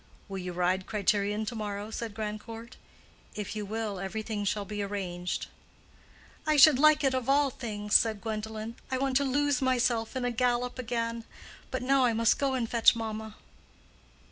"Will you ride Criterion to morrow?" said Grandcourt. "If you will, everything shall be arranged." "I should like it of all things," said Gwendolen. "I want to lose myself in a gallop again. But now I must go and fetch mamma."